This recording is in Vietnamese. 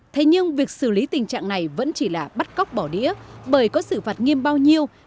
thế nhưng việc xử lý tình trạng này vẫn chỉ là bắt cóc bỏ đĩa bởi có xử phạt nghiêm bao nhiêu